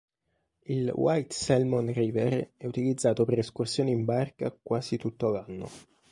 Il White Salmon River è utilizzato per escursioni in barca quasi tutto l'anno.